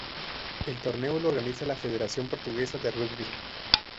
El torneo lo organiza la Federación Portuguesa de Rugby.